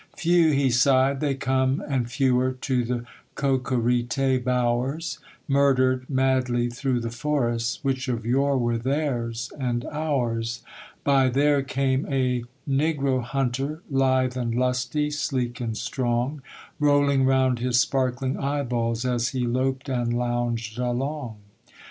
'Few,' he sighed, 'they come, and fewer, To the cocorite {331d} bowers; Murdered, madly, through the forests Which of yore were theirs and ours By there came a negro hunter, Lithe and lusty, sleek and strong, Rolling round his sparkling eyeballs, As he loped and lounged along.